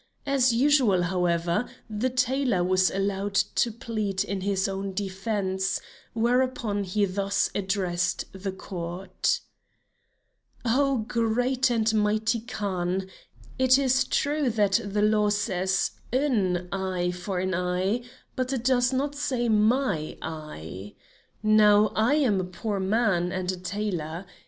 As usual, however, the tailor was allowed to plead in his own defence, whereupon he thus addressed the court: "Oh great and mighty Khan, it is true that the law says an eye for an eye, but it does not say my eye. Now I am a poor man, and a tailor.